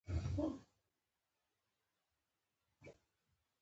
اوس به زه تاته دوا درکړم او سم به شې.